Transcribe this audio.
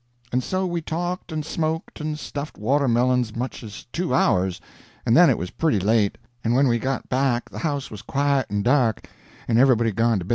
And so we talked and smoked and stuffed watermelons much as two hours, and then it was pretty late, and when we got back the house was quiet and dark, and everybody gone to bed.